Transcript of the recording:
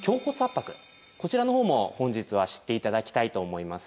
こちらの方も本日は知って頂きたいと思います。